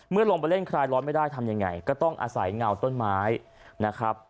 ลงไปเล่นคลายร้อนไม่ได้ทำยังไงก็ต้องอาศัยเงาต้นไม้นะครับ